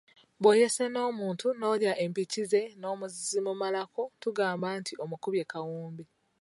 Bw’oyesa n’omuntu n’olya empiki ze n’ozimumalako tugamba nti omukubye kawumbi.